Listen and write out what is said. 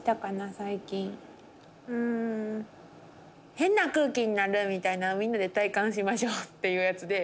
変な空気になるみたいなみんなで体感しましょうっていうやつで。